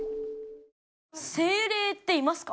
精霊っていますか？